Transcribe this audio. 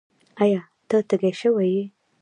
ایا؛ ته تږی شوی یې؟